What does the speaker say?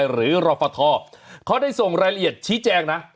หรือรฟทเขาได้ส่งรายละเอียดชี้แจงนะ